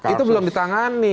itu belum ditangani